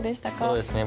そうですね